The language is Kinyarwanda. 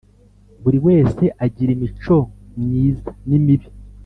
Buri wese agira imico myiza n imibi